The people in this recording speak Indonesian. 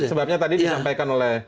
sebabnya tadi disampaikan oleh